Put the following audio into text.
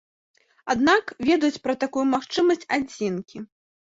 Аднак, ведаюць пра такую магчымасць адзінкі.